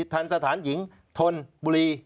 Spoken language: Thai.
ทันสถานหญิงทนบุรี